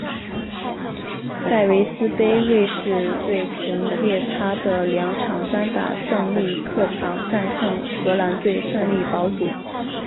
戴维斯杯瑞士队凭藉他的两场单打胜利客场战胜荷兰队顺利保组。